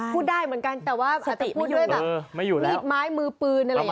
พูดได้เหมือนกันแต่ว่าอาจจะพูดด้วยแบบมีดไม้มือปืนอะไรอย่างนี้